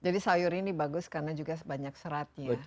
jadi sayur ini bagus karena juga banyak seratnya